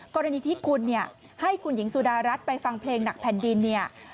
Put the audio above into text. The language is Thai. กรณีที่คุณให้คุณหญิงสุดารัฐไปฟังเพลงหนักแผ่นดิน